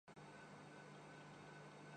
کا بزنس کامیابی سے جاری ہے